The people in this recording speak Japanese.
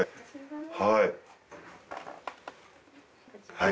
はい。